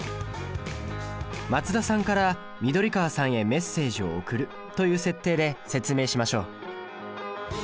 松田さんから緑川さんへメッセージを送るという設定で説明しましょう。